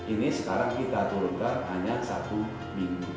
ini sekarang kita turunkan hanya satu minggu